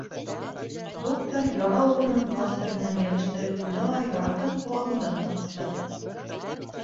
Доктор яра урынын пластырь менән йәбештереп ҡуйҙы ла яратып ҡолағымдан тартты.